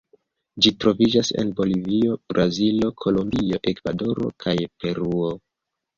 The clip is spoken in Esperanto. Ĝi troviĝas en Bolivio, Brazilo, Kolombio, Ekvadoro kaj Peruo.